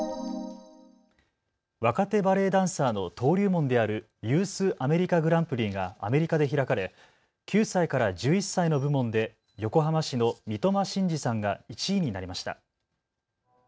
若手バレエダンサーの登竜門であるユース・アメリカ・グランプリがアメリカで開かれ９歳から１１歳の部門で横浜市の三苫心嗣さんが１位になりました。